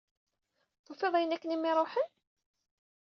Tufiḍ ayen akken i am-iruḥen?